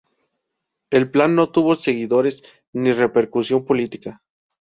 El plan no tuvo seguidores ni repercusión política.